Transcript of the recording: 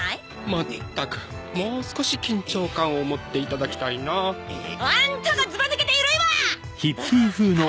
まったくもう少し緊張感を持っていただきたいなあアンタがズバ抜けてユルいわ！